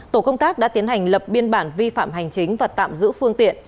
tổ công tác đã tiến hành lập biên bản vi phạm hành chính và tạm giữ phương tiện